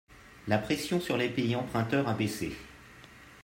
La pression sur les pays emprunteurs a baissé.